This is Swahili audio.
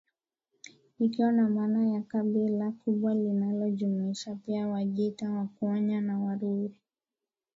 ikiwa na maana ya kabila kubwa linalojumuisha pia Wajita Wakwaya na Waruri